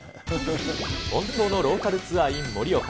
本当のローカルツアーｉｎ盛岡。